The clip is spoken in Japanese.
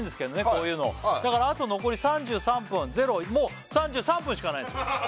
こういうのをだからあと残り３３分０もう３３分しかないんです